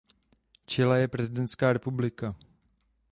Chile je prezidentská republika.